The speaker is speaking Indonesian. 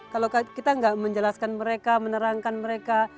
kalau kita tidak menjelaskan mereka menerangkan mereka